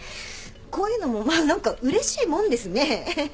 こういうのも何かうれしいもんですね。